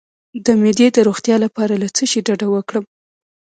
د معدې د روغتیا لپاره له څه شي ډډه وکړم؟